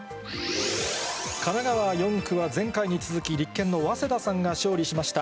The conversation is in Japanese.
神奈川４区は前回に続き、立憲の早稲田さんが勝利しました。